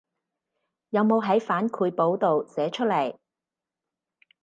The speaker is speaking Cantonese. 有冇喺反饋簿度寫出來